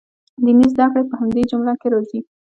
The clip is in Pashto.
دیني زده کړې په همدې جمله کې راځي.